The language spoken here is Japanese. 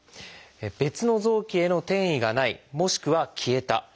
別の臓器への転移がないもしくは消えた。